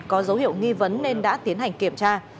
có dấu hiệu nghi vấn nên đã tiến hành kiểm tra